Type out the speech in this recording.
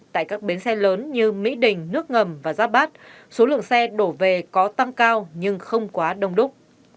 tại các bến xe lớn như mỹ đình nước ngầm và giáp bát số lượng xe đổ về có tăng cao nhưng không quá đông đúc